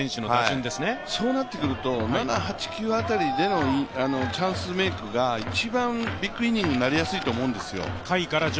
そうなってくると７、８、９あたりでのチャンスメイクが一番ビッグイニングになりやすいと思うんですよ。